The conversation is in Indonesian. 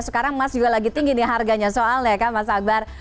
sekarang emas juga lagi tinggi nih harganya soalnya kan mas akbar